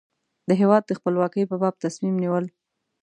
د هېواد خپلواکۍ په باب تصمیم نیول.